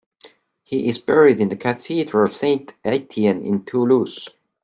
He is buried in the Cathedral Saint-Etienne in Toulouse.